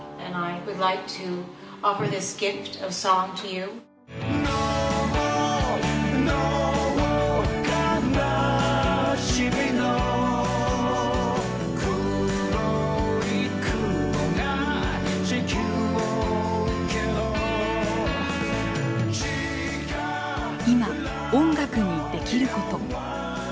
いま音楽にできること。